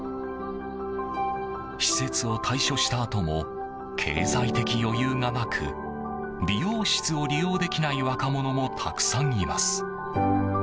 施設を退所したあとも経済的余裕がなく美容室を利用できない若者もたくさんいます。